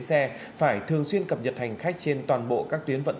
đó là quyết tâm của các bạn